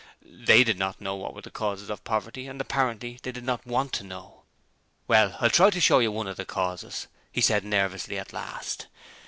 They did not know what were the causes of poverty and apparently they did not WANT to know. 'Well, I'll try to show you one of the causes,' he said nervously at last.